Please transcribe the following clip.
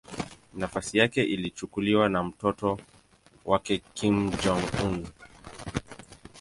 Nafasi yake ilichukuliwa na mtoto wake Kim Jong-un.